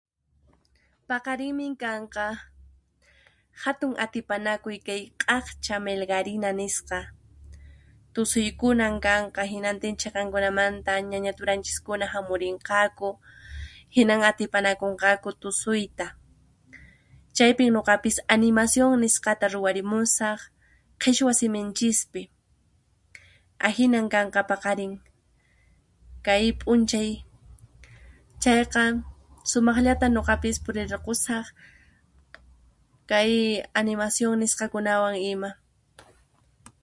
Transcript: Paqarinmi kanqa, hatun atipanakuy kay Q'aqcha Melgarina nisqa, tusuykunan kanqa hinantin chiqankunamanta ñaña turanchiskuna hamurinqaku. Hinan atipanakunqaku tusuyta. Chaypin nuqapis animación nisqata ruwarimusaq, qhichwa siminchispi. Ahinan kanqa paqarin, kay p'unchay chayqa sumaqllata nuqapis purirqusaq kay animación niqakunawan ima.